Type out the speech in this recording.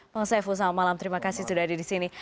pengsaiful selamat malam terima kasih sudah ada di sini